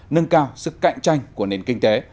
nâng cao sức cạnh tranh của nền kinh tế